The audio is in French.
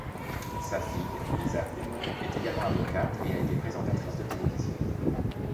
Sa fille, Lisa Bloom, est également avocate et a été présentatrice de télévision.